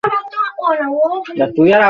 তুমি নিশ্চয়ই আপত্তি করবে না, তাই না?